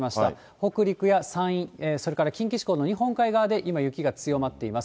北陸や山陰、それから近畿地方の日本海側で、今、雪が強まっています。